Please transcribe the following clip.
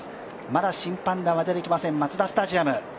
まだ審判団は出てきません、マツダスタジアム。